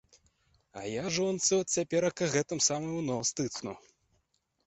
А я жонцы от цяперака гэтым самым у нос тыцну.